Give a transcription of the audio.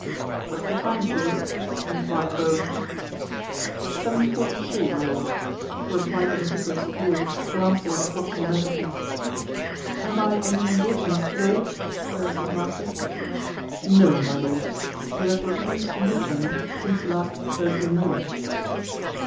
" What's the time, Peel ?" enquired Bowen. " Seven forty three, my lord," replied the me ticulous Peel, glancing at the clock on the mantel piece. " Have I any engagements to day ?" queried his master. " No, my lord. You have refused to make any since last Thursday morning."